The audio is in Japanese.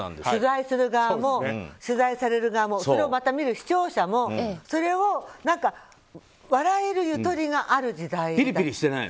取材する側も、取材される側もそれをまた見る視聴者もそれを笑えるゆとりがある時代。